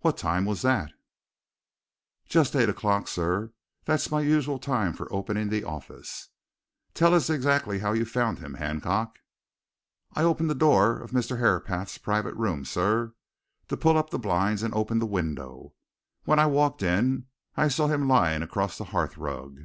"What time was that?" "Just eight o'clock, sir that's my usual time for opening the office." "Tell us exactly how you found him, Hancock." "I opened the door of Mr. Herapath's private room, sir, to pull up the blinds and open the window. When I walked in I saw him lying across the hearth rug.